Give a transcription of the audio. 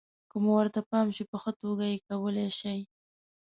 که مو ورته پام شي، په ښه توګه یې کولای شئ.